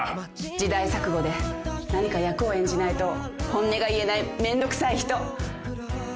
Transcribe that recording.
時代錯誤で何か役を演じないと本音が言えないめんどくさい人。